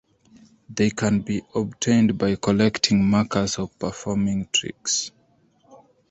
They can be obtained by collecting markers or performing tricks.